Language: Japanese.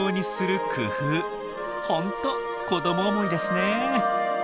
ホント子ども思いですね。